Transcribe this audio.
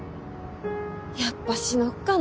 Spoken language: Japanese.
やっぱ死のっかな。